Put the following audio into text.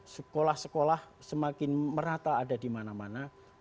sekolah sekolah semakin merata ada di mana mana